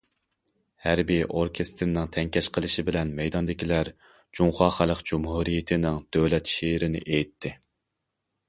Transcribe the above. ھەربىي ئوركېستىرنىڭ تەڭكەش قىلىشى بىلەن مەيداندىكىلەر جۇڭخۇا خەلق جۇمھۇرىيىتىنىڭ دۆلەت شېئىرىنى ئېيتتى.